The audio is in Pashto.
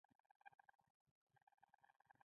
د بن په ښار کې کنفرانس جوړ شوی ؤ.